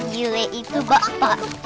gile itu bapak